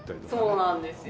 そうなんですよ。